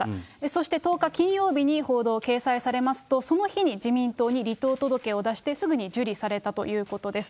そして、１０日金曜日に報道が掲載されますと、その日に自民党に離党届を出して、すぐに受理されたということです。